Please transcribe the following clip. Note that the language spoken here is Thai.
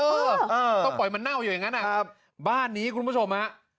เออต้องปล่อยมันเน่าอยู่อย่างนั้นนะครับบ้านนี้คุณผู้ชมฮะ